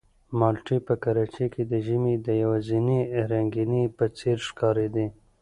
مالټې په کراچۍ کې د ژمي د یوازینۍ رنګینۍ په څېر ښکارېدې.